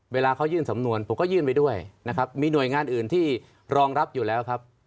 เวลาเขายื่นสำนวนผมก็ยื่นไปด้วยนะครับมีหน่วยงานอื่นที่รองรับอยู่แล้วครับ